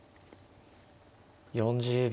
４０秒。